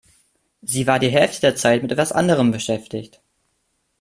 Sie war die Hälfte der Zeit mit etwas anderem beschäftigt.